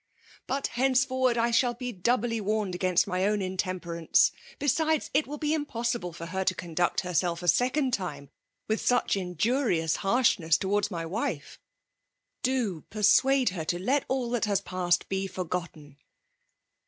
*'<' But henceforward I shall be dffuHj warned against my own intemperance. Be sides, it will be impossiUe fov her to condflrt \ FEMALB DOHINATION; 2S9 herself a second time with such injiurious handinesB towazds my wife. Do penuade her to let all that has passed be forgotten."'